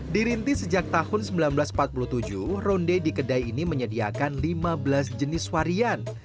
dirintis sejak tahun seribu sembilan ratus empat puluh tujuh ronde di kedai ini menyediakan lima belas jenis varian